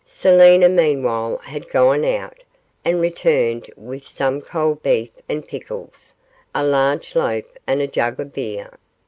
Selina meanwhile had gone out, and returned with some cold beef and pickles, a large loaf and a jug of beer.